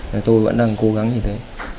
thế tôi vẫn đang cố gắng như thế